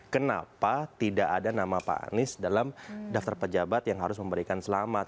kenapa tidak ada nama pak anies dalam daftar pejabat yang harus memberikan selamat